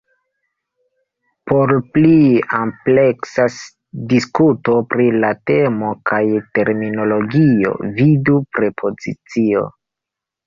Por pli ampleksa diskuto pri la temo kaj terminologio, vidu "prepozicio".